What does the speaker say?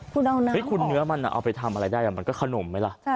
คุณเอานะคุณเนื้อมันเอาไปทำอะไรได้มันก็ขนมไหมล่ะ